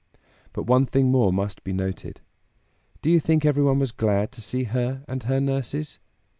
But one thing more must be noted. Do you think everyone was glad to see her and her nurses?